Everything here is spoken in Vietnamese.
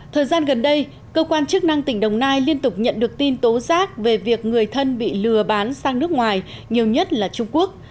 thời gian gần đây cơ quan chức năng tỉnh đồng nai liên tục nhận được tin tố giác về việc người thân bị lừa bán sang nước ngoài nhiều nhất là trung quốc